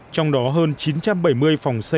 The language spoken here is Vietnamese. trong đó hơn chín trăm bảy mươi phòng xây mới hoàn toàn